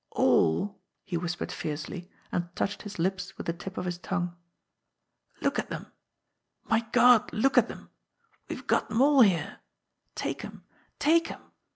"AllT he whispered fiercely, and touched his lips with the, tip of his tongue. "Look at 'em ! My God, look at 'em ! We've got 'em all here ! Take 'em ! Take 'em